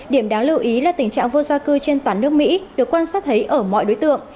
điểm đáng lưu ý là tình trạng vô gia cư trên toàn nước mỹ được quan sát thấy ở mọi đối tượng